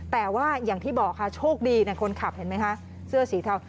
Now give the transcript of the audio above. แต่ว่าอย่างที่บอกค่ะโชคดีคนขับเห็นไหมคะเสื้อสีเทา